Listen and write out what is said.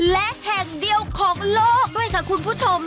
และแห่งเดียวของโลกด้วยค่ะคุณผู้ชม